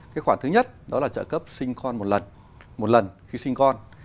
khoản thứ nhất là trợ cấp sinh con một lần khi sinh con